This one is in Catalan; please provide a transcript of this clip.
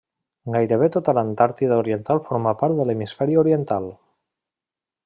Gairebé tota l'Antàrtida Oriental forma part de l'Hemisferi Oriental.